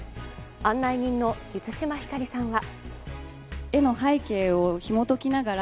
案内人の満島ひかりさんは。